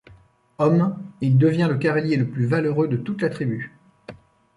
Homme, il devient le cavalier le plus valeureux de toute la tribu.